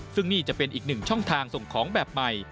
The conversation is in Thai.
ซึ่งนี่จะเป็นอีกหนึ่งช่องทางส่งของแบบใหม่